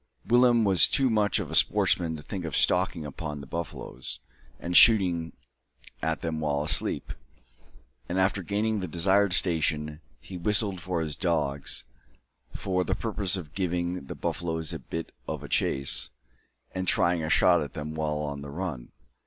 Willem was too much of a sportsman to think of stalking upon the buffaloes, and shooting at them while asleep; and after gaining the desired station, he whistled for his dogs, for the purpose of giving the buffaloes a bit of a chase, and trying a shot at them while on the run.